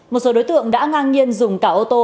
một số đối tượng đã ngang nhiên dùng cả ô tô